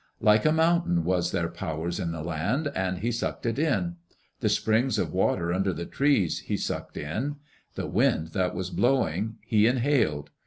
Like a mountain was their power in the land, and he sucked it in. The springs of water under the trees he sucked in. The wind that was blowing he inhaled.